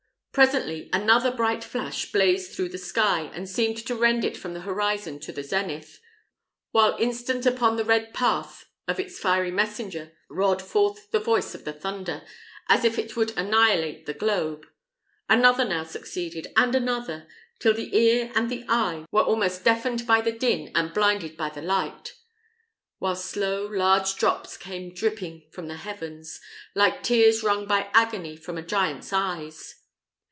Presently, another bright flash blazed through the sky, and seemed to rend it from the horizon to the zenith, while instant upon the red path of its fiery messenger roared forth the voice of the thunder, as if it would annihilate the globe. Another now succeeded, and another, till the ear and the eye were almost deafened by the din and blinded by the light; while slow, large drops came dripping from the heavens, like tears wrung by agony from a giant's eyes.